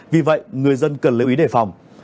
vì vậy người dân cần lấy ý đề phòng